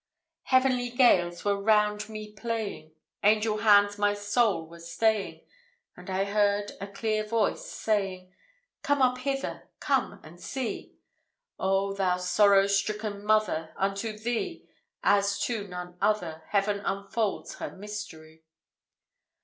Heavenly gales were round me playing, Angel hands my soul were staying, And I heard a clear voice saying, "Come up hither, come and see! O, thou sorrow stricken mother! Unto thee, as to none other, Heaven unfolds her mystery."